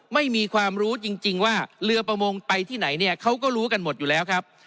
ไม่มีความรู้จริงว่าเรือประมงไปที่ไหนเนี่ยเขาก็รู้กันหมดอยู่แล้วครับ